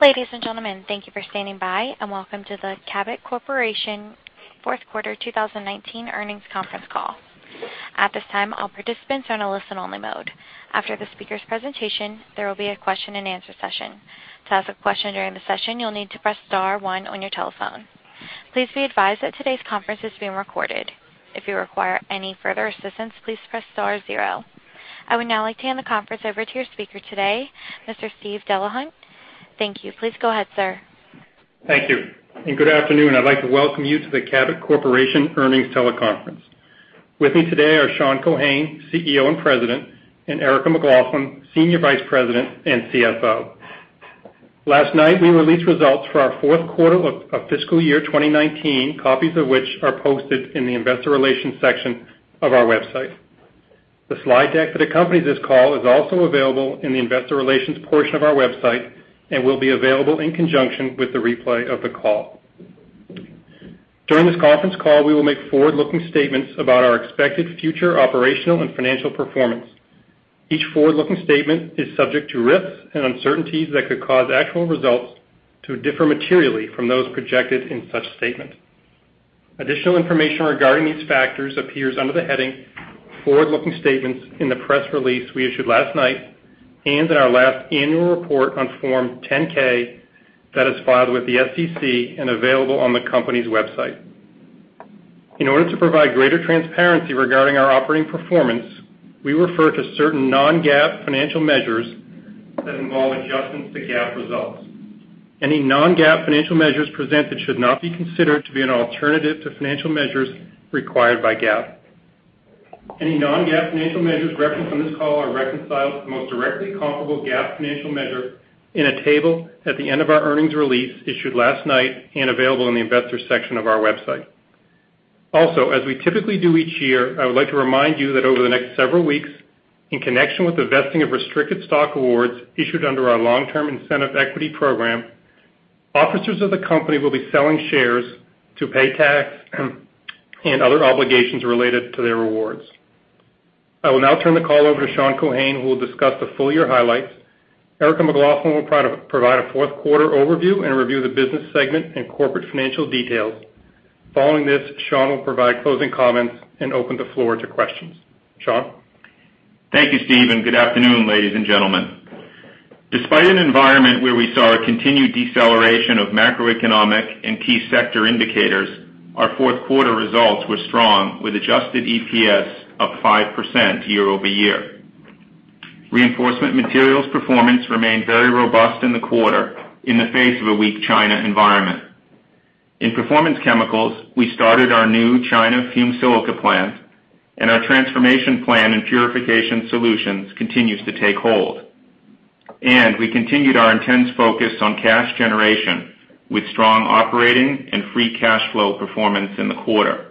Ladies and gentlemen, thank you for standing by, and welcome to the Cabot Corporation Fourth Quarter 2019 Earnings Conference Call. At this time, all participants are in a listen-only mode. After the speaker's presentation, there will be a question and answer session. To ask a question during the session, you'll need to press star one on your telephone. Please be advised that today's conference is being recorded. If you require any further assistance, please press star zero. I would now like to hand the conference over to your speaker today, Mr. Steven Delahunt. Thank you. Please go ahead, sir. Thank you, and good afternoon. I'd like to welcome you to the Cabot Corporation Earnings Teleconference. With me today are Sean Keohane, CEO and President, and Erica McLaughlin, Senior Vice President and CFO. Last night, we released results for our fourth quarter of fiscal year 2019, copies of which are posted in the investor relations section of our website. The slide deck that accompanies this call is also available in the investor relations portion of our website and will be available in conjunction with the replay of the call. During this conference call, we will make forward-looking statements about our expected future operational and financial performance. Each forward-looking statement is subject to risks and uncertainties that could cause actual results to differ materially from those projected in such statements. Additional information regarding these factors appears under the heading "Forward Looking Statements" in the press release we issued last night and in our last annual report on Form 10-K that is filed with the SEC and available on the company's website. In order to provide greater transparency regarding our operating performance, we refer to certain non-GAAP financial measures that involve adjustments to GAAP results. Any non-GAAP financial measures presented should not be considered to be an alternative to financial measures required by GAAP. Any non-GAAP financial measures referenced on this call are reconciled to the most directly comparable GAAP financial measure in a table at the end of our earnings release issued last night and available in the investors section of our website. As we typically do each year, I would like to remind you that over the next several weeks, in connection with the vesting of restricted stock awards issued under our long-term incentive equity program, officers of the company will be selling shares to pay tax and other obligations related to their awards. I will now turn the call over to Sean Keohane, who will discuss the full-year highlights. Erica McLaughlin will provide a fourth quarter overview and review of the business segment and corporate financial details. Following this, Sean will provide closing comments and open the floor to questions. Sean? Thank you, Steve. Good afternoon, ladies and gentlemen. Despite an environment where we saw a continued deceleration of macroeconomic and key sector indicators, our fourth quarter results were strong, with adjusted EPS up 5% year-over-year. Reinforcement Materials' performance remained very robust in the quarter in the face of a weak China environment. In Performance Chemicals, we started our new China fumed silica plant, and our transformation plan in Purification Solutions continues to take hold. We continued our intense focus on cash generation, with strong operating and free cash flow performance in the quarter.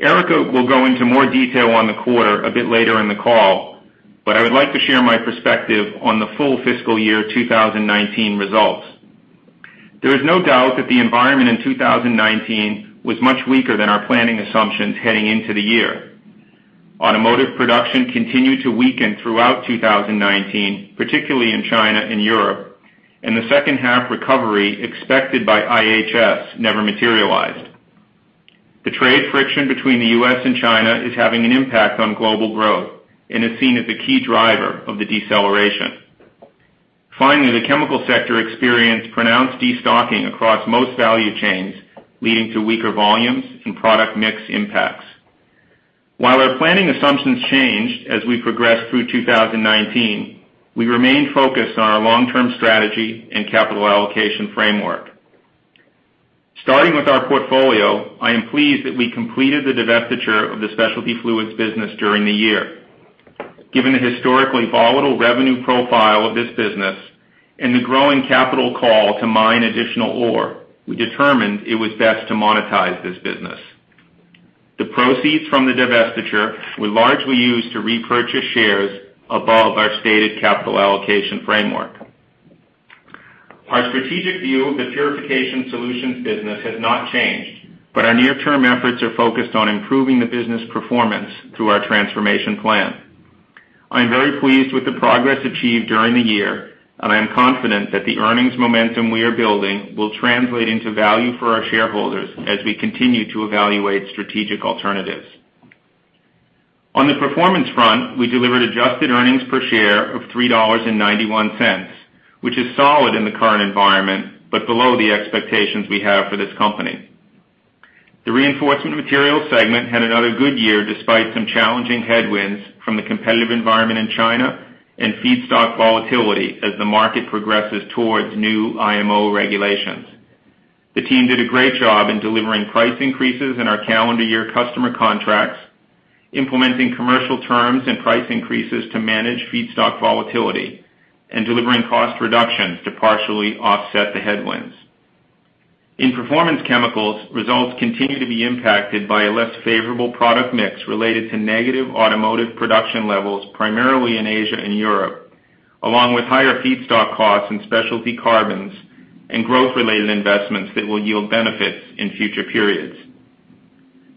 Erica will go into more detail on the quarter a bit later in the call, but I would like to share my perspective on the full fiscal year 2019 results. There is no doubt that the environment in 2019 was much weaker than our planning assumptions heading into the year. Automotive production continued to weaken throughout 2019, particularly in China and Europe. The second half recovery expected by IHS never materialized. The trade friction between the U.S. and China is having an impact on global growth and is seen as a key driver of the deceleration. The chemical sector experienced pronounced destocking across most value chains, leading to weaker volumes and product mix impacts. While our planning assumptions changed as we progressed through 2019, we remained focused on our long-term strategy and capital allocation framework. Starting with our portfolio, I am pleased that we completed the divestiture of the Specialty Fluids business during the year. Given the historically volatile revenue profile of this business and the growing capital call to mine additional ore, we determined it was best to monetize this business. The proceeds from the divestiture were largely used to repurchase shares above our stated capital allocation framework. Our strategic view of the Purification Solutions business has not changed, but our near-term efforts are focused on improving the business performance through our transformation plan. I am very pleased with the progress achieved during the year, and I am confident that the earnings momentum we are building will translate into value for our shareholders as we continue to evaluate strategic alternatives. On the performance front, we delivered adjusted EPS of $3.91, which is solid in the current environment, but below the expectations we have for this company. The Reinforcement Materials segment had another good year despite some challenging headwinds from the competitive environment in China and feedstock volatility as the market progresses towards new IMO regulations. The team did a great job in delivering price increases in our calendar year customer contracts, implementing commercial terms and price increases to manage feedstock volatility, and delivering cost reductions to partially offset the headwinds. In Performance Chemicals, results continue to be impacted by a less favorable product mix related to negative automotive production levels, primarily in Asia and Europe, along with higher feedstock costs in specialty carbons and growth-related investments that will yield benefits in future periods.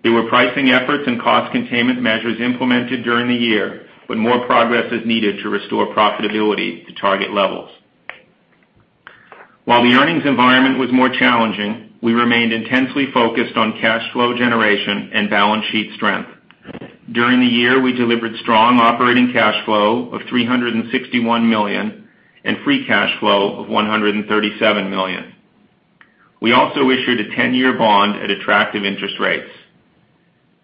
There were pricing efforts and cost containment measures implemented during the year, but more progress is needed to restore profitability to target levels. While the earnings environment was more challenging, we remained intensely focused on cash flow generation and balance sheet strength. During the year, we delivered strong operating cash flow of $361 million and free cash flow of $137 million. We also issued a 10-year bond at attractive interest rates.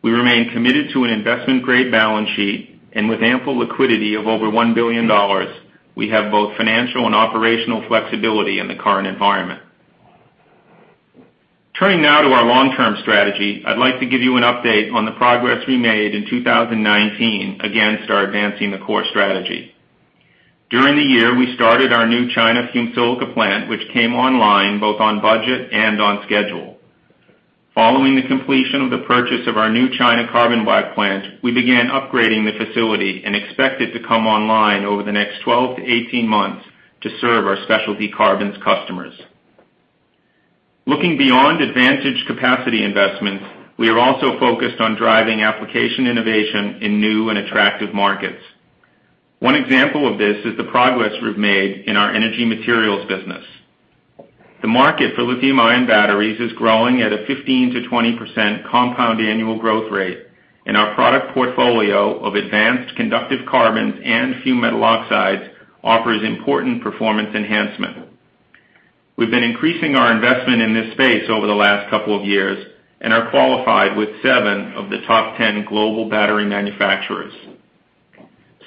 We remain committed to an investment-grade balance sheet, and with ample liquidity of over $1 billion, we have both financial and operational flexibility in the current environment. Turning now to our long-term strategy, I'd like to give you an update on the progress we made in 2019 against our Advancing the Core strategy. During the year, we started our new China fumed silica plant, which came online both on budget and on schedule. Following the completion of the purchase of our new China carbon black plant, we began upgrading the facility and expect it to come online over the next 12 to 18 months to serve our specialty carbons customers. Looking beyond advantage capacity investments, we are also focused on driving application innovation in new and attractive markets. One example of this is the progress we've made in our energy materials business. The market for lithium-ion batteries is growing at a 15%-20% compound annual growth rate. Our product portfolio of advanced conductive carbons and fumed metal oxides offers important performance enhancement. We've been increasing our investment in this space over the last couple of years and are qualified with seven of the top 10 global battery manufacturers.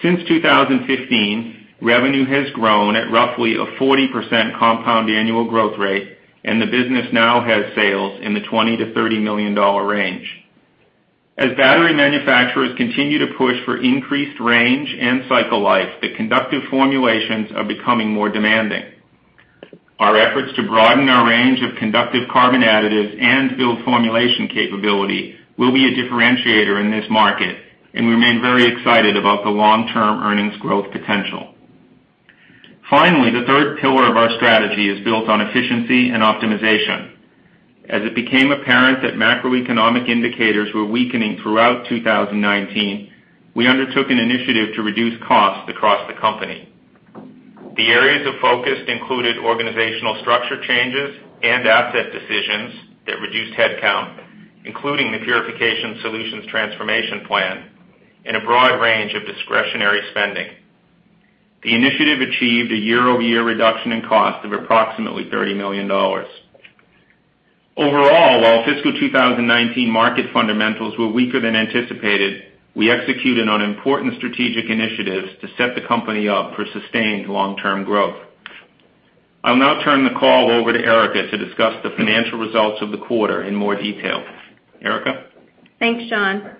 Since 2015, revenue has grown at roughly a 40% compound annual growth rate, and the business now has sales in the $20 million-$30 million range. As battery manufacturers continue to push for increased range and cycle life, the conductive formulations are becoming more demanding. Our efforts to broaden our range of conductive carbon additives and build formulation capability will be a differentiator in this market, and we remain very excited about the long-term earnings growth potential. Finally, the third pillar of our strategy is built on efficiency and optimization. As it became apparent that macroeconomic indicators were weakening throughout 2019, we undertook an initiative to reduce costs across the company. The areas of focus included organizational structure changes and asset decisions that reduced headcount, including the Purification Solutions transformation plan and a broad range of discretionary spending. The initiative achieved a year-over-year reduction in cost of approximately $30 million. Overall, while fiscal 2019 market fundamentals were weaker than anticipated, we executed on important strategic initiatives to set the company up for sustained long-term growth. I'll now turn the call over to Erica to discuss the financial results of the quarter in more detail. Erica? Thanks, Sean.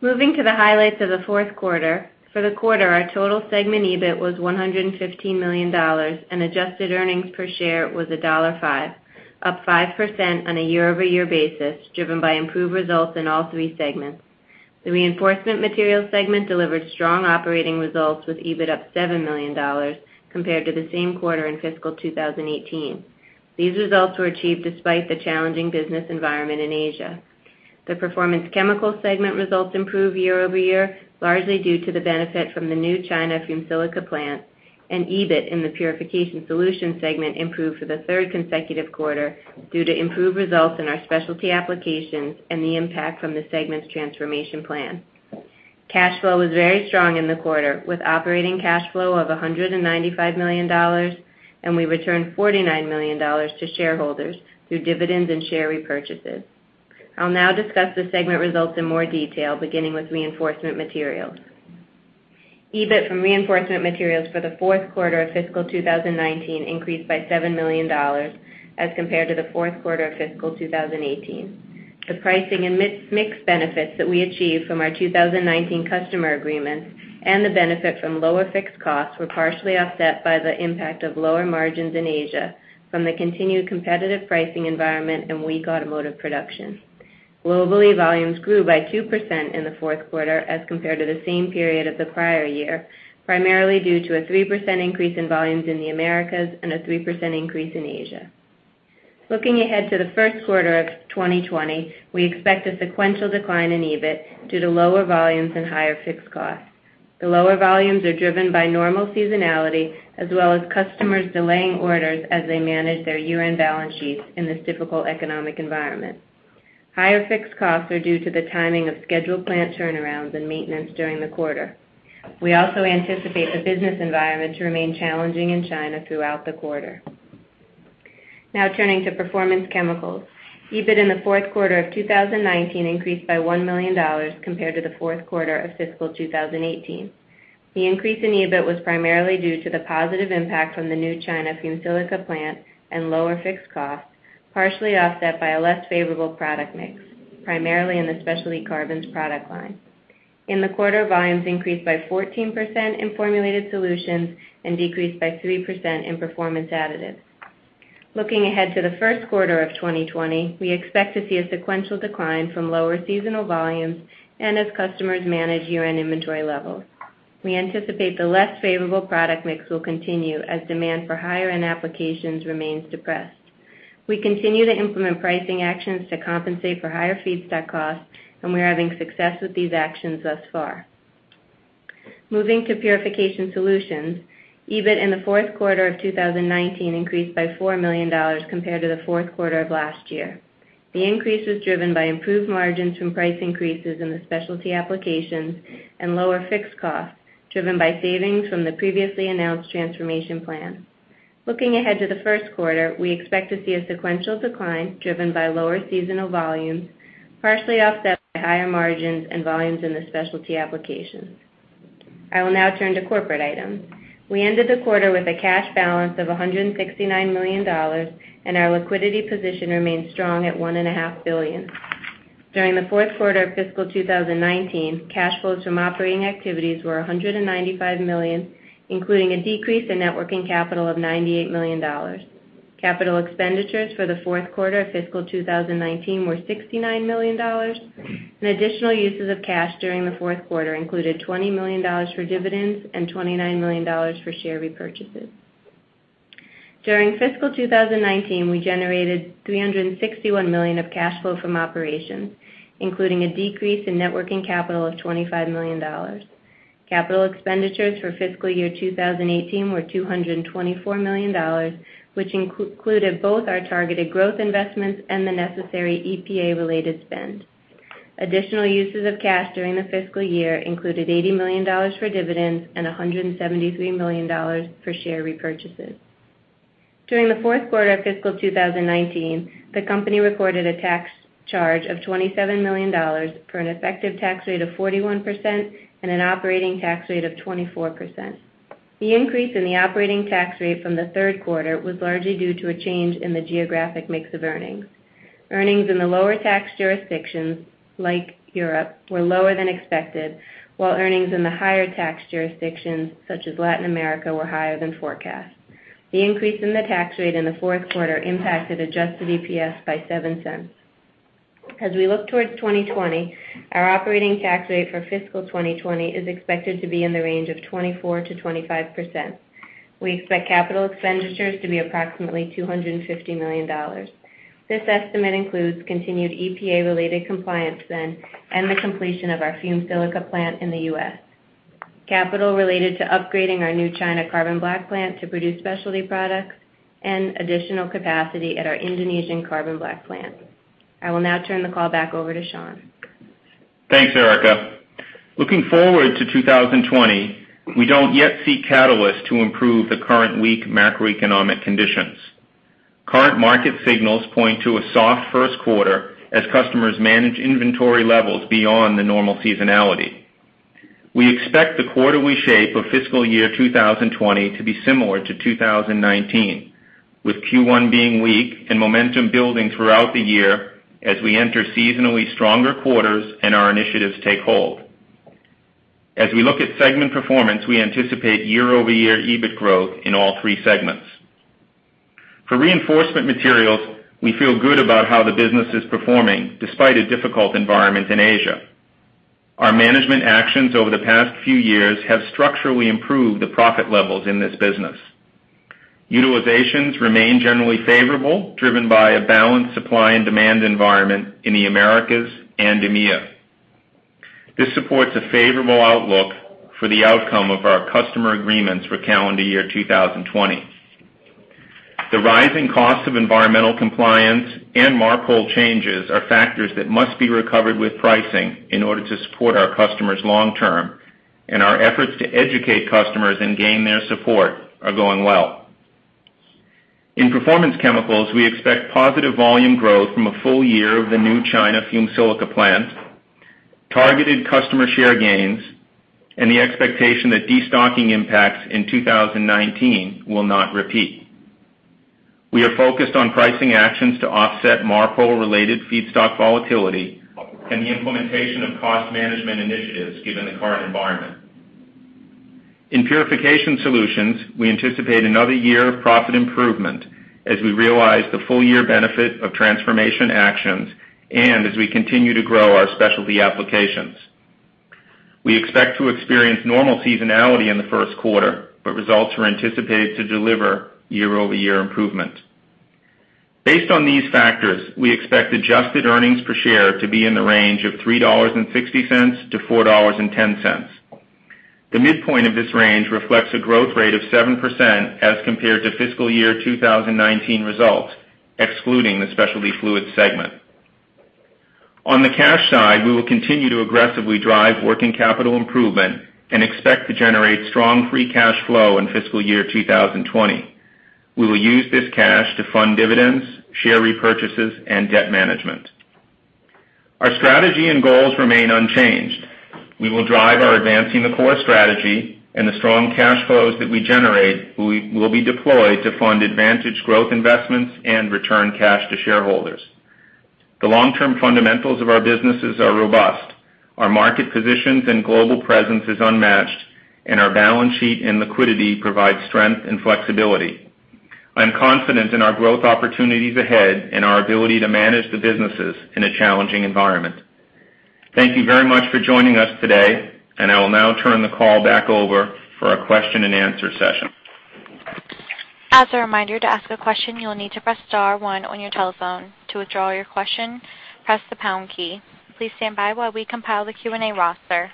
Moving to the highlights of the fourth quarter. For the quarter, our total segment EBIT was $115 million, and adjusted earnings per share was $1.5, up 5% on a year-over-year basis, driven by improved results in all three segments. The Reinforcement Materials segment delivered strong operating results with EBIT up $7 million compared to the same quarter in fiscal 2018. These results were achieved despite the challenging business environment in Asia. The Performance Chemicals segment results improved year-over-year, largely due to the benefit from the new China fumed silica plant, and EBIT in the Purification Solutions segment improved for the third consecutive quarter due to improved results in our specialty applications and the impact from the segment's transformation plan. Cash flow was very strong in the quarter, with operating cash flow of $195 million, and we returned $49 million to shareholders through dividends and share repurchases. I'll now discuss the segment results in more detail, beginning with Reinforcement Materials. EBIT from Reinforcement Materials for the fourth quarter of fiscal 2019 increased by $7 million as compared to the fourth quarter of fiscal 2018. The pricing and mixed benefits that we achieved from our 2019 customer agreements and the benefit from lower fixed costs were partially offset by the impact of lower margins in Asia from the continued competitive pricing environment and weak automotive production. Globally, volumes grew by 2% in the fourth quarter as compared to the same period of the prior year, primarily due to a 3% increase in volumes in the Americas and a 3% increase in Asia. Looking ahead to the first quarter of 2020, we expect a sequential decline in EBIT due to lower volumes and higher fixed costs. The lower volumes are driven by normal seasonality as well as customers delaying orders as they manage their year-end balance sheets in this difficult economic environment. Higher fixed costs are due to the timing of scheduled plant turnarounds and maintenance during the quarter. We also anticipate the business environment to remain challenging in China throughout the quarter. Now turning to Performance Chemicals. EBIT in the fourth quarter of 2019 increased by $1 million compared to the fourth quarter of fiscal 2018. The increase in EBIT was primarily due to the positive impact from the new China fumed silica plant and lower fixed costs, partially offset by a less favorable product mix, primarily in the specialty carbons product line. In the quarter, volumes increased by 14% in Formulated Solutions and decreased by 3% in Performance Additives. Looking ahead to the first quarter of 2020, we expect to see a sequential decline from lower seasonal volumes and as customers manage year-end inventory levels. We anticipate the less favorable product mix will continue as demand for higher-end applications remains depressed. We continue to implement pricing actions to compensate for higher feedstock costs, and we're having success with these actions thus far. Moving to Purification Solutions, EBIT in the fourth quarter of 2019 increased by $4 million compared to the fourth quarter of last year. The increase was driven by improved margins from price increases in the specialty applications and lower fixed costs, driven by savings from the previously announced transformation plan. Looking ahead to the first quarter, we expect to see a sequential decline driven by lower seasonal volumes, partially offset by higher margins and volumes in the specialty applications. I will now turn to corporate items. We ended the quarter with a cash balance of $169 million, and our liquidity position remains strong at $1.5 billion. During the fourth quarter of fiscal 2019, cash flows from operating activities were $195 million, including a decrease in net working capital of $98 million. Capital expenditures for the fourth quarter of fiscal 2019 were $69 million, and additional uses of cash during the fourth quarter included $20 million for dividends and $29 million for share repurchases. During fiscal 2019, we generated $361 million of cash flow from operations, including a decrease in net working capital of $25 million. Capital expenditures for fiscal year 2018 were $224 million, which included both our targeted growth investments and the necessary EPA-related spend. Additional uses of cash during the fiscal year included $80 million for dividends and $173 million for share repurchases. During the fourth quarter of fiscal 2019, the company recorded a tax charge of $27 million for an effective tax rate of 41% and an operating tax rate of 24%. The increase in the operating tax rate from the third quarter was largely due to a change in the geographic mix of earnings. Earnings in the lower tax jurisdictions, like Europe, were lower than expected, while earnings in the higher tax jurisdictions, such as Latin America, were higher than forecast. The increase in the tax rate in the fourth quarter impacted adjusted EPS by $0.07. As we look towards 2020, our operating tax rate for fiscal 2020 is expected to be in the range of 24%-25%. We expect capital expenditures to be approximately $250 million. This estimate includes continued EPA-related compliance spend and the completion of our fumed silica plant in the U.S., capital related to upgrading our new China carbon black plant to produce specialty products, and additional capacity at our Indonesian carbon black plant. I will now turn the call back over to Sean. Thanks, Erica. Looking forward to 2020, we don't yet see catalysts to improve the current weak macroeconomic conditions. Current market signals point to a soft first quarter as customers manage inventory levels beyond the normal seasonality. We expect the quarterly shape of fiscal year 2020 to be similar to 2019, with Q1 being weak and momentum building throughout the year as we enter seasonally stronger quarters and our initiatives take hold. As we look at segment performance, we anticipate year-over-year EBIT growth in all three segments. For Reinforcement Materials, we feel good about how the business is performing, despite a difficult environment in Asia. Our management actions over the past few years have structurally improved the profit levels in this business. Utilizations remain generally favorable, driven by a balanced supply and demand environment in the Americas and EMEA. This supports a favorable outlook for the outcome of our customer agreements for calendar year 2020. The rising cost of environmental compliance and MARPOL changes are factors that must be recovered with pricing in order to support our customers long term, and our efforts to educate customers and gain their support are going well. In Performance Chemicals, we expect positive volume growth from a full year of the new China fumed silica plant, targeted customer share gains, and the expectation that destocking impacts in 2019 will not repeat. We are focused on pricing actions to offset MARPOL-related feedstock volatility and the implementation of cost management initiatives, given the current environment. In Purification Solutions, we anticipate another year of profit improvement as we realize the full year benefit of transformation actions and as we continue to grow our specialty applications. We expect to experience normal seasonality in the first quarter, but results are anticipated to deliver year-over-year improvement. Based on these factors, we expect adjusted EPS to be in the range of $3.60-$4.10. The midpoint of this range reflects a growth rate of 7% as compared to fiscal year 2019 results, excluding the Specialty Fluids segment. On the cash side, we will continue to aggressively drive working capital improvement and expect to generate strong free cash flow in fiscal year 2020. We will use this cash to fund dividends, share repurchases, and debt management. Our strategy and goals remain unchanged. We will drive our Advancing the Core strategy, and the strong cash flows that we generate will be deployed to fund advantage growth investments and return cash to shareholders. The long-term fundamentals of our businesses are robust. Our market positions and global presence is unmatched, and our balance sheet and liquidity provide strength and flexibility. I'm confident in our growth opportunities ahead and our ability to manage the businesses in a challenging environment. Thank you very much for joining us today, and I will now turn the call back over for a question and answer session. As a reminder, to ask a question, you'll need to press star one on your telephone. To withdraw your question, press the pound key. Please stand by while we compile the Q&A roster.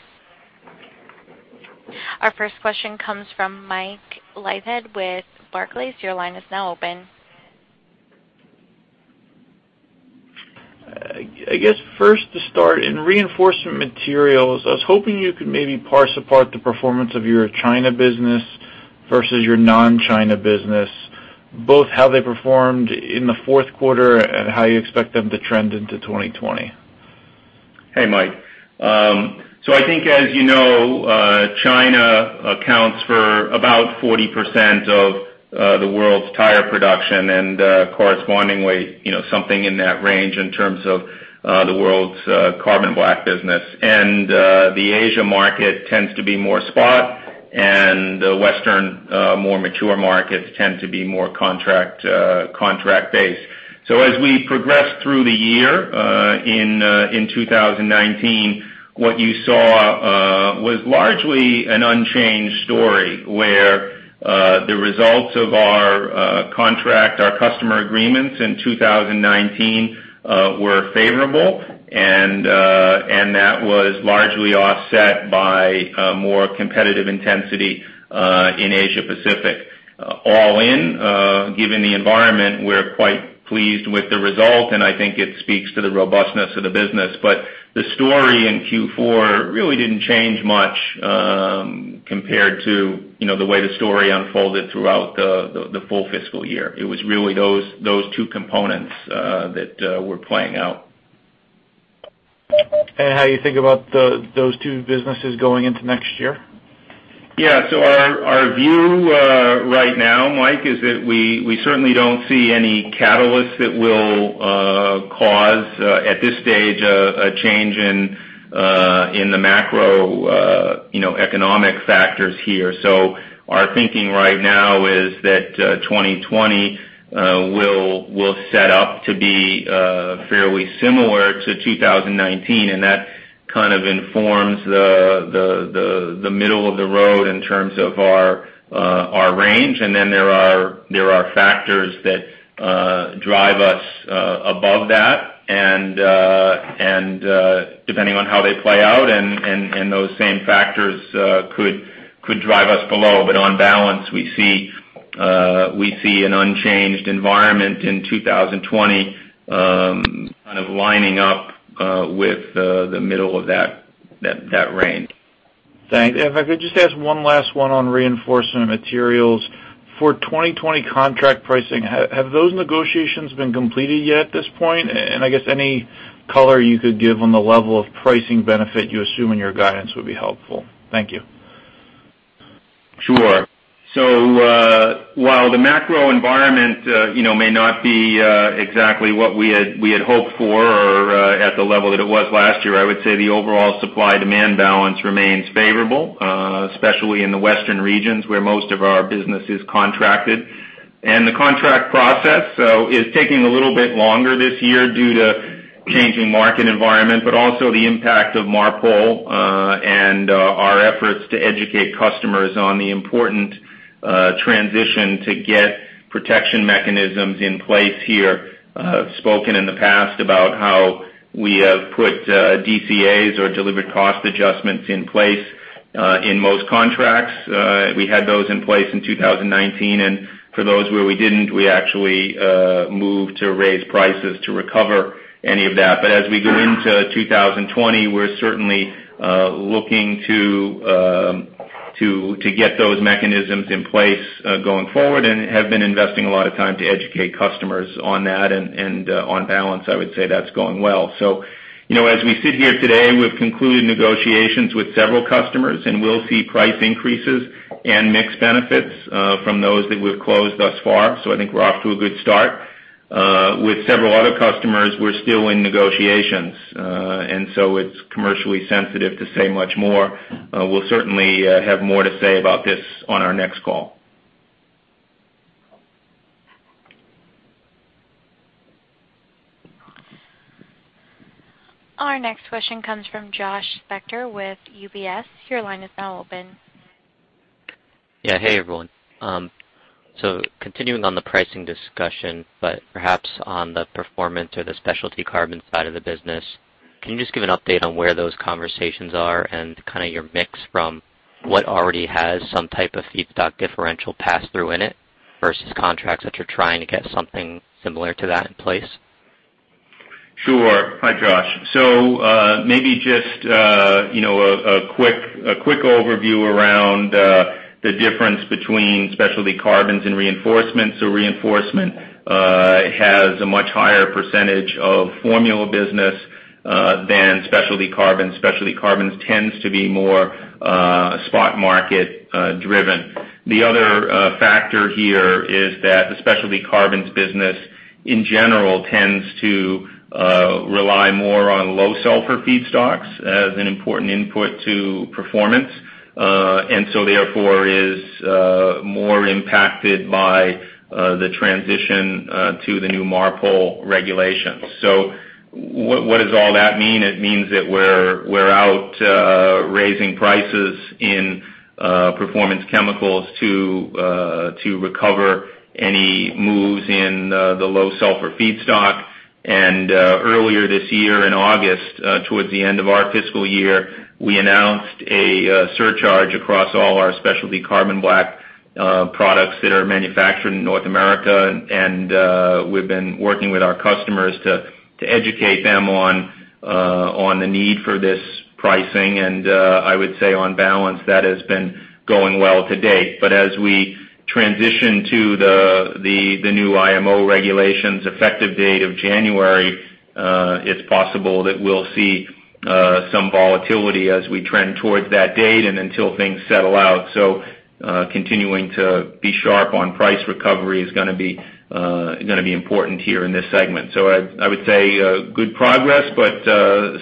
Our first question comes from Michael Leithead with Barclays. Your line is now open. I guess first to start, in Reinforcement Materials, I was hoping you could maybe parse apart the performance of your China business versus your non-China business. Both how they performed in the fourth quarter and how you expect them to trend into 2020. Hey, Mike. I think, as you know, China accounts for about 40% of the world's tire production and correspondingly, something in that range in terms of the world's carbon black business. The Asia market tends to be more spot and the Western more mature markets tend to be more contract-based. As we progress through the year in 2019, what you saw was largely an unchanged story where the results of our contract, our customer agreements in 2019 were favorable, and that was largely offset by more competitive intensity in Asia Pacific. All in, given the environment, we're quite pleased with the result, and I think it speaks to the robustness of the business. The story in Q4 really didn't change much compared to the way the story unfolded throughout the full fiscal year. It was really those two components that were playing out. How you think about those two businesses going into next year? Yeah. Our view right now, Mike, is that we certainly don't see any catalyst that will cause at this stage a change in the macroeconomic factors here. Our thinking right now is that 2020 will set up to be fairly similar to 2019, and that kind of informs the middle of the road in terms of our range. There are factors that drive us above that, and depending on how they play out, and those same factors could drive us below. On balance, we see an unchanged environment in 2020 kind of lining up with the middle of that range. Thanks. If I could just ask one last one on Reinforcement Materials. For 2020 contract pricing, have those negotiations been completed yet at this point? I guess any color you could give on the level of pricing benefit you assume in your guidance would be helpful. Thank you. Sure. While the macro environment may not be exactly what we had hoped for or at the level that it was last year, I would say the overall supply-demand balance remains favorable, especially in the Western regions where most of our business is contracted. The contract process is taking a little bit longer this year due to changing market environment, but also the impact of MARPOL and our efforts to educate customers on the important transition to get protection mechanisms in place here. I've spoken in the past about how we have put DCAs or delivered cost adjustments in place in most contracts. We had those in place in 2019, and for those where we didn't, we actually moved to raise prices to recover any of that. As we go into 2020, we're certainly looking to get those mechanisms in place going forward and have been investing a lot of time to educate customers on that. On balance, I would say that's going well. As we sit here today, we've concluded negotiations with several customers, and we'll see price increases and mix benefits from those that we've closed thus far. I think we're off to a good start. With several other customers, we're still in negotiations, it's commercially sensitive to say much more. We'll certainly have more to say about this on our next call. Our next question comes from Joshua Spector with UBS. Your line is now open. Yeah. Hey, everyone. Continuing on the pricing discussion, but perhaps on the performance or the Specialty Carbon side of the business, can you just give an update on where those conversations are and kind of your mix from what already has some type of feedstock differential pass-through in it versus contracts that you're trying to get something similar to that in place? Sure. Hi, Josh. Maybe just a quick overview around the difference between specialty carbons and Reinforcement. Reinforcement has a much higher percentage of formula business than specialty carbons. Specialty carbons tends to be more spot market driven. The other factor here is that the specialty carbons business in general tends to rely more on low sulfur feedstocks as an important input to performance. Therefore is more impacted by the transition to the new MARPOL regulations. What does all that mean? It means that we're out raising prices in Performance Chemicals to recover any moves in the low sulfur feedstock. Earlier this year, in August, towards the end of our fiscal year, we announced a surcharge across all our specialty carbon black products that are manufactured in North America. We've been working with our customers to educate them on the need for this pricing. I would say on balance, that has been going well to date. As we transition to the new IMO regulations effective date of January, it's possible that we'll see some volatility as we trend towards that date and until things settle out. Continuing to be sharp on price recovery is going to be important here in this segment. I would say good progress, but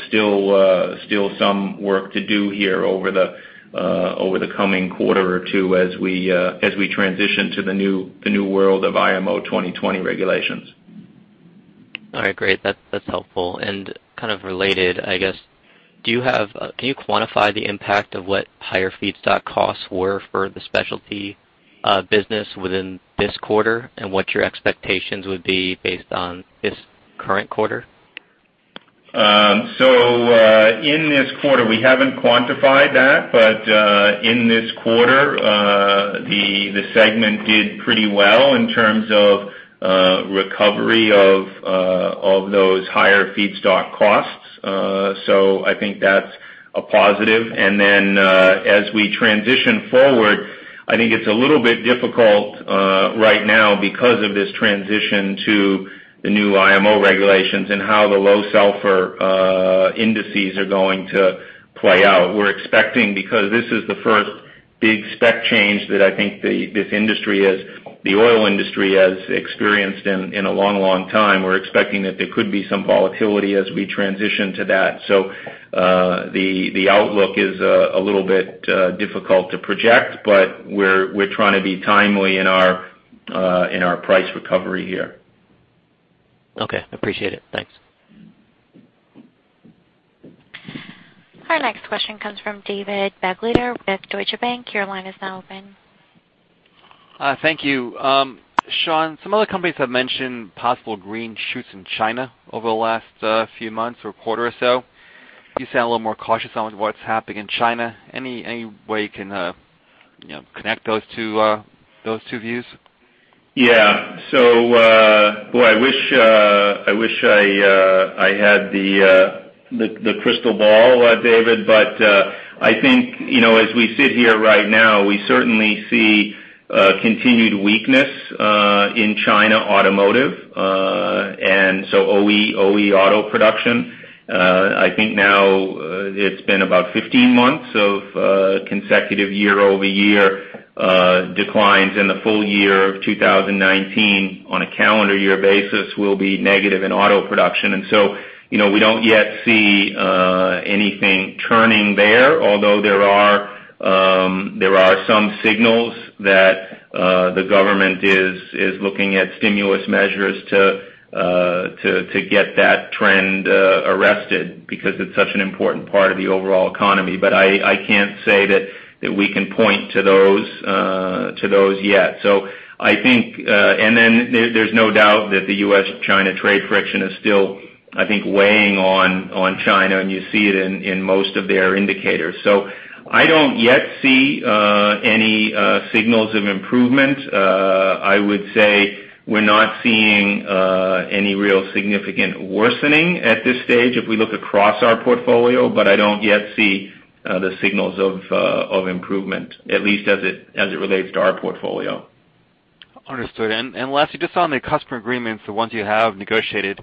still some work to do here over the coming quarter or two as we transition to the new world of IMO 2020 regulations. All right, great. That's helpful. Kind of related, I guess, can you quantify the impact of what higher feedstock costs were for the specialty business within this quarter, and what your expectations would be based on this current quarter? In this quarter, we haven't quantified that, but in this quarter, the segment did pretty well in terms of recovery of those higher feedstock costs. As we transition forward, I think it's a little bit difficult right now because of this transition to the new IMO regulations and how the low sulfur indices are going to play out. We're expecting, because this is the first big spec change that I think the oil industry has experienced in a long time, we're expecting that there could be some volatility as we transition to that. The outlook is a little bit difficult to project, but we're trying to be timely in our price recovery here. Okay, appreciate it. Thanks. Our next question comes from David Begleiter with Deutsche Bank. Your line is now open. Thank you. Sean, some other companies have mentioned possible green shoots in China over the last few months or quarter or so. You sound a little more cautious on what's happening in China. Any way you can connect those two views? Boy, I wish I had the crystal ball, David, but I think, as we sit here right now, we certainly see continued weakness in China automotive. OE auto production. I think now it's been about 15 months of consecutive year-over-year declines in the full year of 2019 on a calendar year basis will be negative in auto production. We don't yet see anything turning there, although there are some signals that the government is looking at stimulus measures to get that trend arrested because it's such an important part of the overall economy. I can't say that we can point to those yet. There's no doubt that the U.S. China trade friction is still, I think, weighing on China, and you see it in most of their indicators. I don't yet see any signals of improvement. I would say we're not seeing any real significant worsening at this stage if we look across our portfolio, but I don't yet see the signals of improvement, at least as it relates to our portfolio. Understood. Lastly, just on the customer agreements, the ones you have negotiated,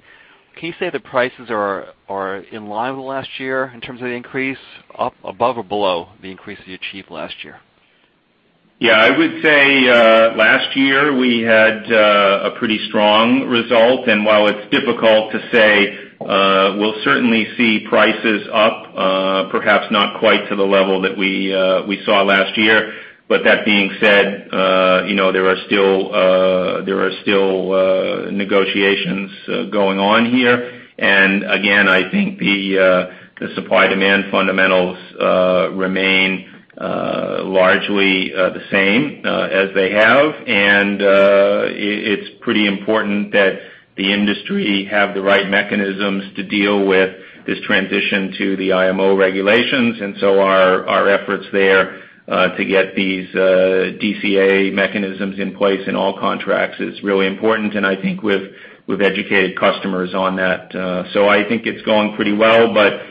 can you say the prices are in line with last year in terms of the increase up above or below the increase that you achieved last year? Yeah, I would say last year we had a pretty strong result. While it's difficult to say, we'll certainly see prices up perhaps not quite to the level that we saw last year. That being said there are still negotiations going on here. Again, I think the supply-demand fundamentals remain largely the same as they have. It's pretty important that the industry have the right mechanisms to deal with this transition to the IMO regulations. So our efforts there to get these DCA mechanisms in place in all contracts is really important. I think we've educated customers on that. I think it's going pretty well, but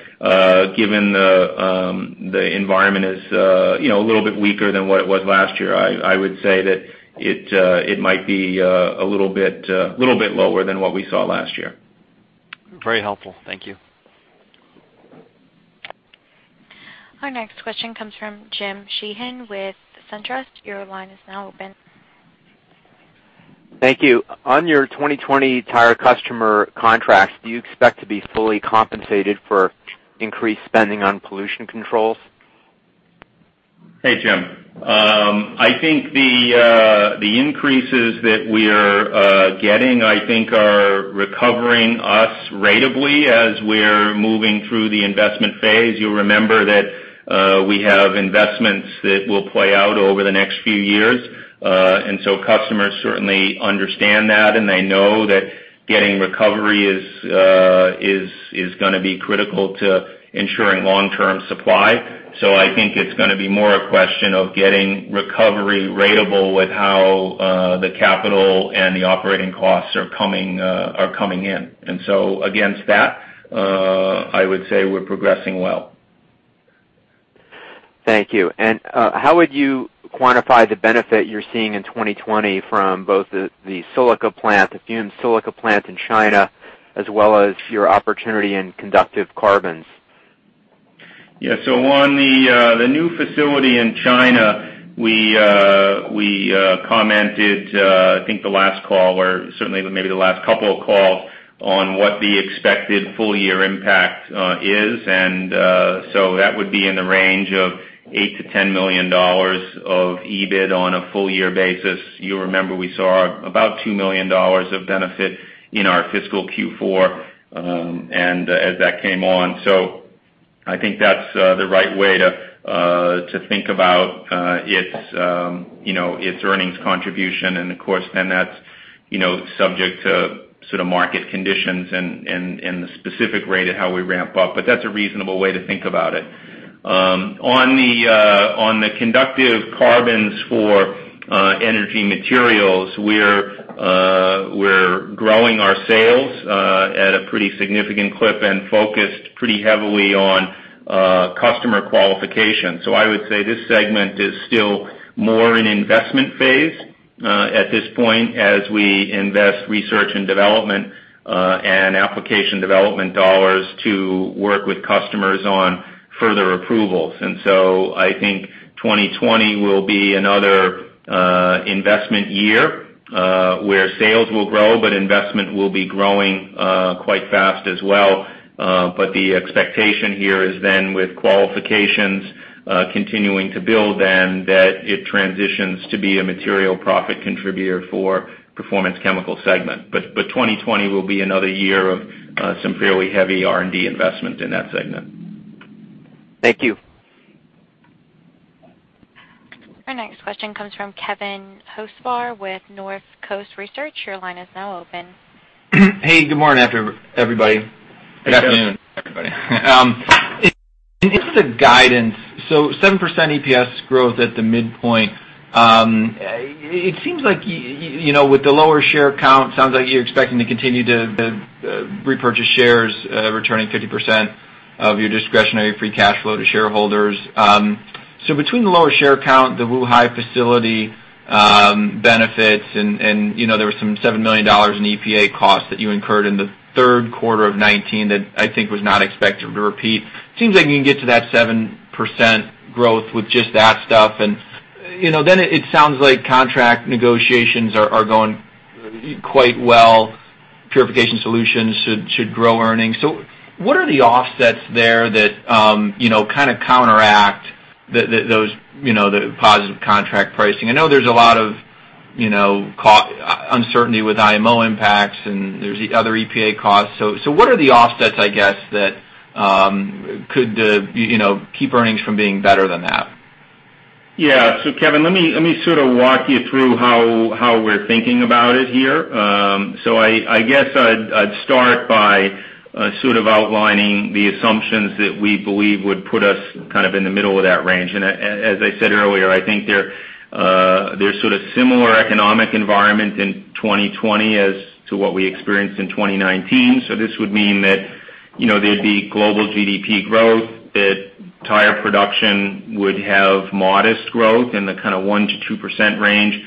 given the environment is a little bit weaker than what it was last year, I would say that it might be a little bit lower than what we saw last year. Very helpful. Thank you. Our next question comes from James Sheehan with SunTrust. Your line is now open. Thank you. On your 2020 tire customer contracts, do you expect to be fully compensated for increased spending on pollution controls? Hey, Jim. I think the increases that we are getting, I think are recovering us ratably as we're moving through the investment phase. You'll remember that we have investments that will play out over the next few years. Customers certainly understand that, and they know that getting recovery is going to be critical to ensuring long-term supply. I think it's going to be more a question of getting recovery ratable with how the capital and the operating costs are coming in. Against that, I would say we're progressing well. Thank you. How would you quantify the benefit you're seeing in 2020 from both the silica plant, the fumed silica plant in China, as well as your opportunity in conductive carbons? On the new facility in China, we commented, I think the last call or certainly maybe the last couple of calls on what the expected full-year impact is. That would be in the range of $8 million-$10 million of EBIT on a full-year basis. You remember we saw about $2 million of benefit in our fiscal Q4 as that came on. I think that's the right way to think about its earnings contribution. Of course, that's subject to sort of market conditions and the specific rate at how we ramp up. That's a reasonable way to think about it. On the conductive carbons for energy materials, we're growing our sales at a pretty significant clip and focused pretty heavily on customer qualification. I would say this segment is still more in investment phase at this point as we invest research and development, and application development dollars to work with customers on further approvals. I think 2020 will be another investment year where sales will grow, but investment will be growing quite fast as well. The expectation here is then with qualifications continuing to build, then that it transitions to be a material profit contributor for Performance Chemicals segment. 2020 will be another year of some fairly heavy R&D investment in that segment. Thank you. Our next question comes from Kevin Hocevar with Northcoast Research. Your line is now open. Hey, good morning, everybody. Good afternoon. Good afternoon, everybody. In the guidance, 7% EPS growth at the midpoint. It seems like with the lower share count, sounds like you're expecting to continue to repurchase shares, returning 50% of your discretionary free cash flow to shareholders. Between the lower share count, the Wuhai facility benefits, and there was some $7 million in EPA costs that you incurred in the third quarter of 2019 that I think was not expected to repeat. Seems like you can get to that 7% growth with just that stuff. It sounds like contract negotiations are going quite well. Purification Solutions should grow earnings. What are the offsets there that kind of counteract the positive contract pricing? I know there's a lot of uncertainty with IMO impacts, and there's the other EPA costs. What are the offsets, I guess, that could keep earnings from being better than that? Yeah. Kevin, let me sort of walk you through how we're thinking about it here. I guess I'd start by sort of outlining the assumptions that we believe would put us kind of in the middle of that range. As I said earlier, I think there's sort of similar economic environment in 2020 as to what we experienced in 2019. This would mean that there'd be global GDP growth, that tire production would have modest growth in the kind of 1%-2% range.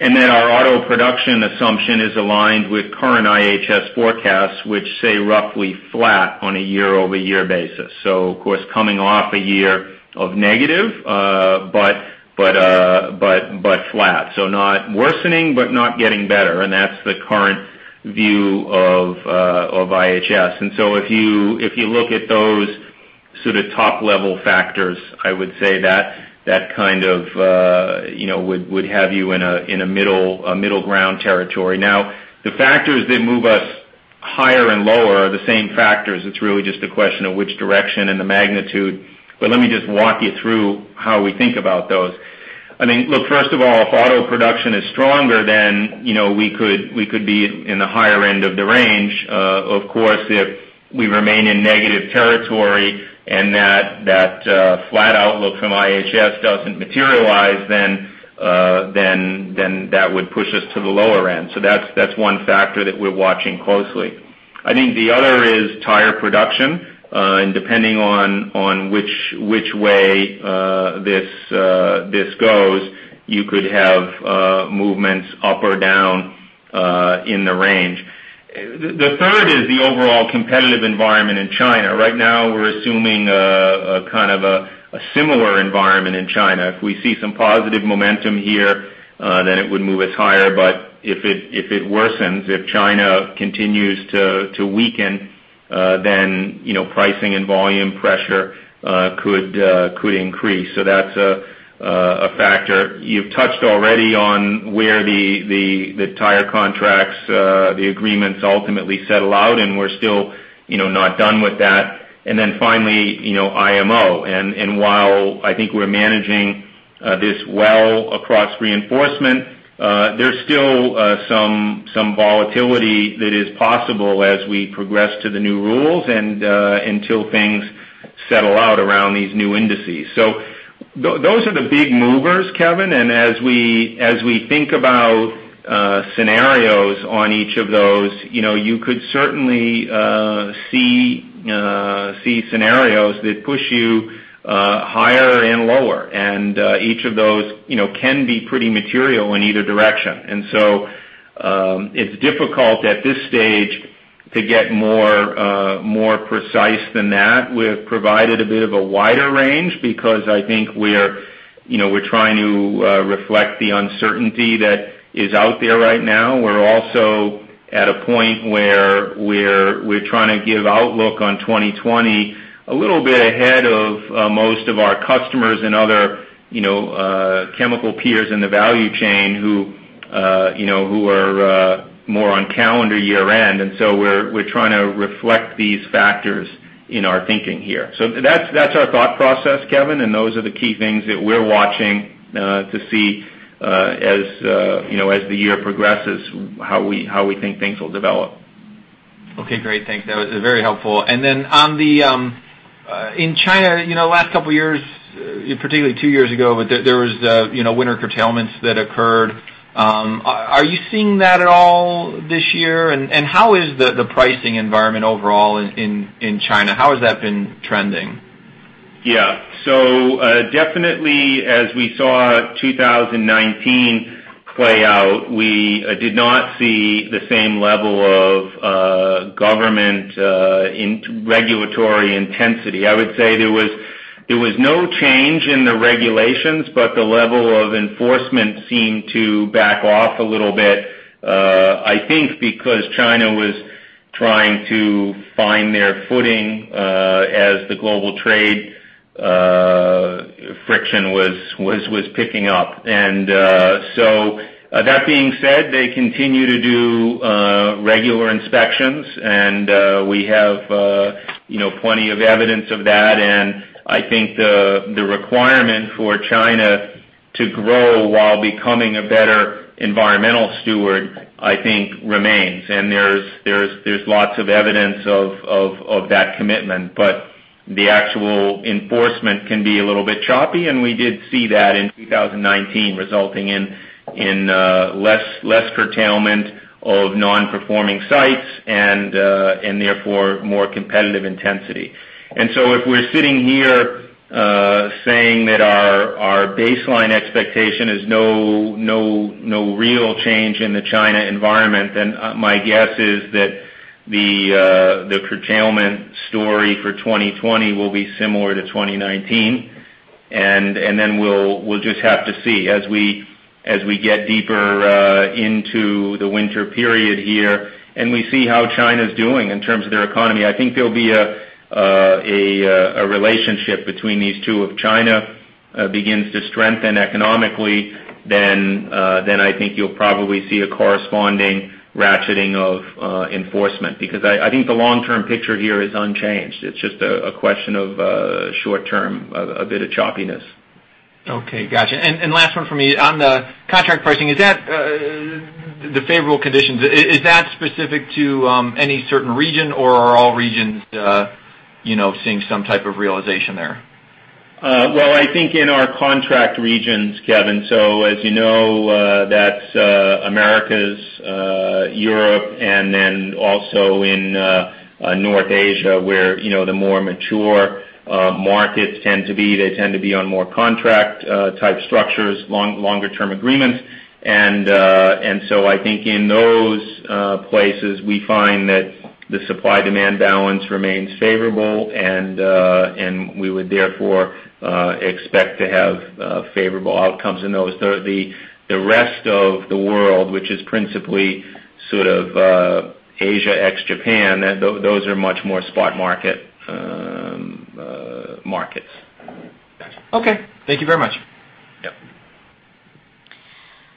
Our auto production assumption is aligned with current IHS forecasts, which say roughly flat on a year-over-year basis. Of course, coming off a year of negative, but flat. Not worsening, but not getting better. That's the current view of IHS. If you look at those sort of top-level factors, I would say that kind of would have you in a middle ground territory. The factors that move us higher and lower are the same factors. It's really just a question of which direction and the magnitude. Let me just walk you through how we think about those. I mean, look, first of all, if auto production is stronger, we could be in the higher end of the range. Of course, if we remain in negative territory and that flat outlook from IHS doesn't materialize, that would push us to the lower end. That's one factor that we're watching closely. I think the other is tire production. Depending on which way this goes, you could have movements up or down in the range. The third is the overall competitive environment in China. Right now, we're assuming a similar environment in China. If we see some positive momentum here, then it would move us higher, but if it worsens, if China continues to weaken, then pricing and volume pressure could increase. That's a factor. You've touched already on where the tire contracts, the agreements ultimately settle out, and we're still not done with that. Then finally, IMO. While I think we're managing this well across Reinforcement Materials, there's still some volatility that is possible as we progress to the new rules and until things settle out around these new indices. Those are the big movers, Kevin, and as we think about scenarios on each of those, you could certainly see scenarios that push you higher and lower. Each of those can be pretty material in either direction. It's difficult at this stage to get more precise than that. We've provided a bit of a wider range because I think we're trying to reflect the uncertainty that is out there right now. We're also at a point where we're trying to give outlook on 2020 a little bit ahead of most of our customers and other chemical peers in the value chain who are more on calendar year-end. We're trying to reflect these factors in our thinking here. That's our thought process, Kevin, and those are the key things that we're watching to see as the year progresses, how we think things will develop. Okay, great. Thanks. That was very helpful. In China, last couple of years, particularly two years ago, but there was winter curtailments that occurred. Are you seeing that at all this year? How is the pricing environment overall in China? How has that been trending? Yeah. Definitely as we saw 2019 play out, we did not see the same level of government regulatory intensity. I would say there was no change in the regulations, but the level of enforcement seemed to back off a little bit, I think because China was trying to find their footing as the global trade friction was picking up. That being said, they continue to do regular inspections, and we have plenty of evidence of that, and I think the requirement for China to grow while becoming a better environmental steward, I think remains. There's lots of evidence of that commitment. The actual enforcement can be a little bit choppy, and we did see that in 2019, resulting in less curtailment of non-performing sites and therefore more competitive intensity. If we're sitting here saying that our baseline expectation is no real change in the China environment, then my guess is that the curtailment story for 2020 will be similar to 2019. We'll just have to see. As we get deeper into the winter period here and we see how China's doing in terms of their economy, I think there'll be a relationship between these two. If China begins to strengthen economically, then I think you'll probably see a corresponding ratcheting of enforcement because I think the long-term picture here is unchanged. It's just a question of short-term, a bit of choppiness. Okay, got you. Last one for me. On the contract pricing, the favorable conditions, is that specific to any certain region or are all regions seeing some type of realization there? Well, I think in our contract regions, Kevin, so as you know, that's Americas, Europe, and then also in North Asia, where the more mature markets tend to be. They tend to be on more contract-type structures, longer-term agreements. I think in those places, we find that the supply-demand balance remains favorable, and we would therefore expect to have favorable outcomes in those. The rest of the world, which is principally Asia ex Japan, those are much more spot markets. Got you. Okay. Thank you very much. Yep.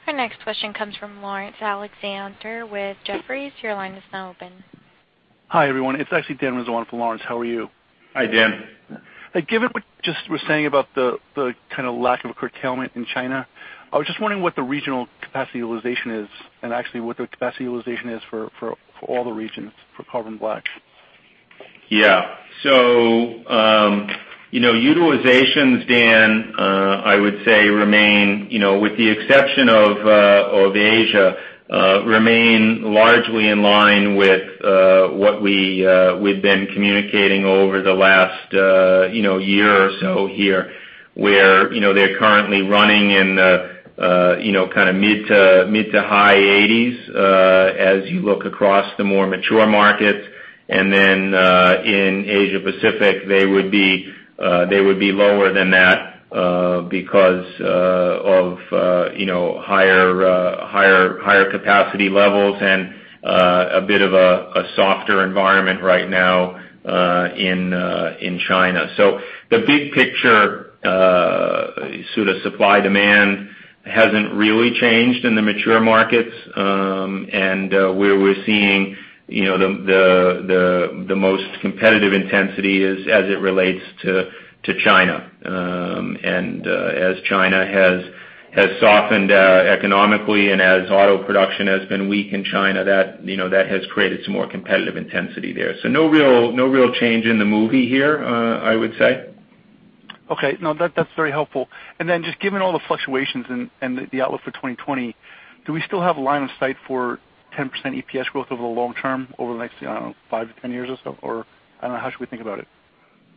Our next question comes from Dan Rizzo with Jefferies. Your line is now open. Hi, everyone. It's actually Dan Rizzo for Laurence. How are you? Hi, Dan. Given what just was saying about the kind of lack of a curtailment in China, I was just wondering what the regional capacity utilization is and actually what the capacity utilization is for all the regions for carbon black. Yeah. Utilizations, Dan, I would say remain, with the exception of Asia, remain largely in line with what we've been communicating over the last year or so here. Where they're currently running in the mid to high 80s as you look across the more mature markets, and then in Asia Pacific, they would be lower than that because of higher capacity levels and a bit of a softer environment right now in China. The big picture supply-demand hasn't really changed in the mature markets. Where we're seeing the most competitive intensity is as it relates to China. As China has softened economically and as auto production has been weak in China, that has created some more competitive intensity there. No real change in the movie here, I would say. Okay. No, that's very helpful. Just given all the fluctuations and the outlook for 2020, do we still have line of sight for 10% EPS growth over the long term, over the next, I don't know, five to 10 years or so? Or, I don't know, how should we think about it?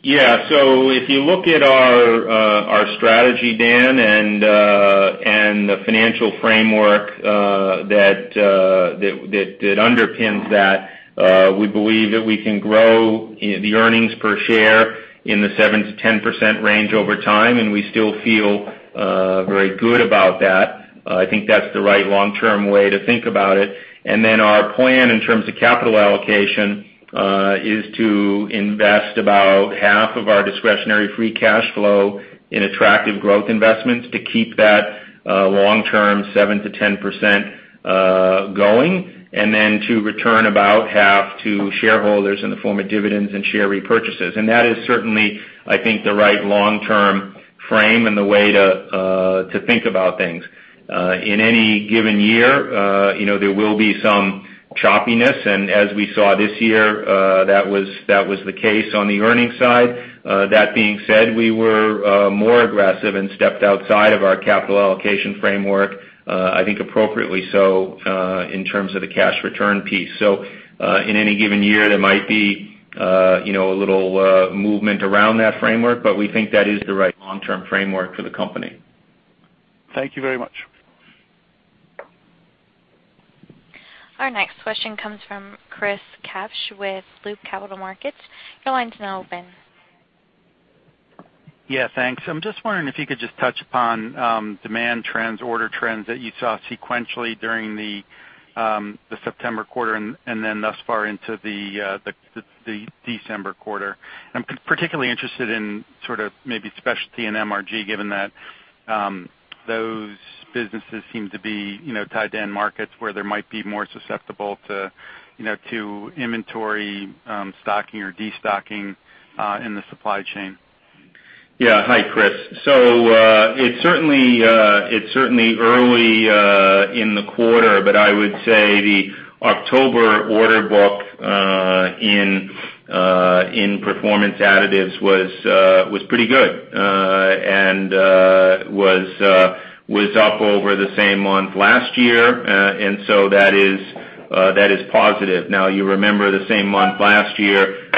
Yeah. If you look at our strategy, Dan, and the financial framework that underpins that, we believe that we can grow the earnings per share in the 7%-10% range over time, and we still feel very good about that. I think that's the right long-term way to think about it. Our plan in terms of capital allocation, is to invest about half of our discretionary free cash flow in attractive growth investments to keep that long-term 7%-10% going, and then to return about half to shareholders in the form of dividends and share repurchases. That is certainly, I think, the right long-term frame and the way to think about things. In any given year, there will be some choppiness, and as we saw this year, that was the case on the earnings side. That being said, we were more aggressive and stepped outside of our capital allocation framework, I think appropriately so, in terms of the cash return piece. In any given year, there might be a little movement around that framework, but we think that is the right long-term framework for the company. Thank you very much. Our next question comes from Chris Kapsch with Loop Capital Markets. Your line's now open. Yeah, thanks. I'm just wondering if you could just touch upon demand trends, order trends that you saw sequentially during the September quarter, and then thus far into the December quarter. I'm particularly interested in maybe specialty and MRG, given that those businesses seem to be tied to end markets where there might be more susceptible to inventory stocking or de-stocking in the supply chain. Yeah. Hi, Chris Kapsch. It's certainly early in the quarter, but I would say the October order book in Performance Additives was pretty good, and was up over the same month last year. That is positive. Now, you remember the same month last year,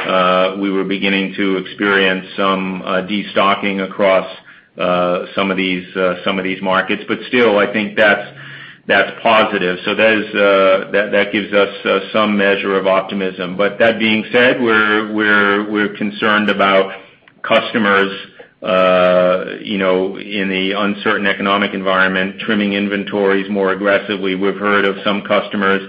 we were beginning to experience some de-stocking across some of these markets. Still, I think that's positive. That gives us some measure of optimism. That being said, we're concerned about customers in the uncertain economic environment, trimming inventories more aggressively. We've heard of some customers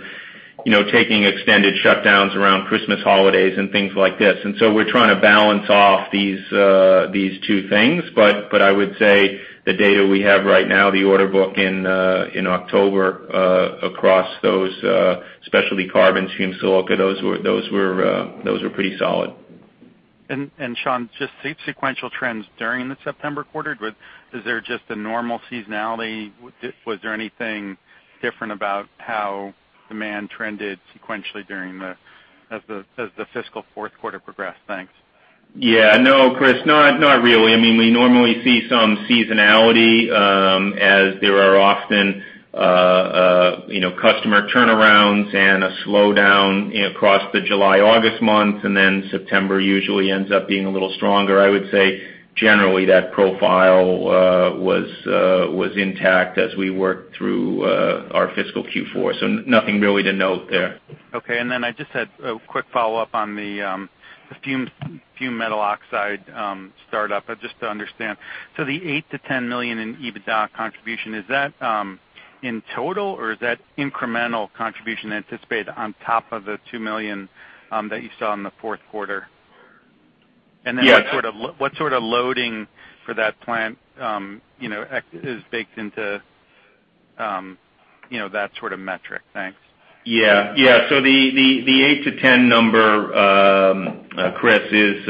taking extended shutdowns around Christmas holidays and things like this. We're trying to balance off these two things. I would say the data we have right now, the order book in October across those specialty carbon, fumed silica, those were pretty solid. Sean, just sequential trends during the September quarter. Is there just a normal seasonality? Was there anything different about how demand trended sequentially as the fiscal fourth quarter progressed? Thanks. No, Chris, not really. We normally see some seasonality, as there are often customer turnarounds and a slowdown across the July, August months, and then September usually ends up being a little stronger. I would say generally that profile was intact as we worked through our fiscal Q4. Nothing really to note there. Okay, I just had a quick follow-up on the fumed metal oxide startup, just to understand. The $8 million-$10 million in EBITDA contribution, is that in total or is that incremental contribution anticipated on top of the $2 million that you saw in the fourth quarter? Yes. What sort of loading for that plant is baked into that sort of metric? Thanks. Yeah. The 8-10 number, Chris, is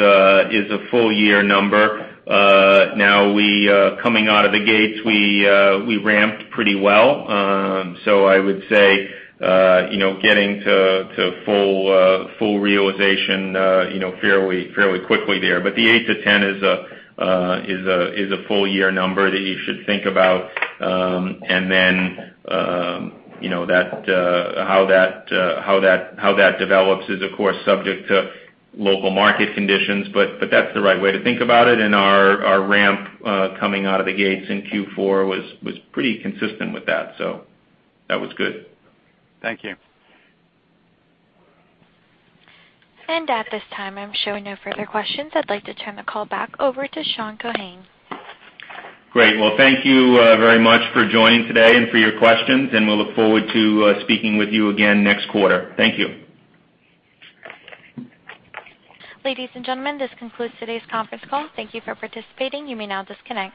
a full year number. Now, coming out of the gates, we ramped pretty well. I would say, getting to full realization fairly quickly there. The 8-10 is a full year number that you should think about. How that develops is, of course, subject to local market conditions, but that's the right way to think about it. Our ramp coming out of the gates in Q4 was pretty consistent with that, so that was good. Thank you. At this time, I'm showing no further questions. I'd like to turn the call back over to Sean Keohane. Great. Well, thank you very much for joining today and for your questions. We'll look forward to speaking with you again next quarter. Thank you. Ladies and gentlemen, this concludes today's conference call. Thank you for participating. You may now disconnect.